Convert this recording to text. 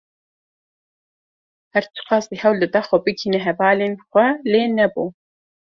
Her çi qasî hewl dida xwe bigihîne hevalên xwe lê nebû.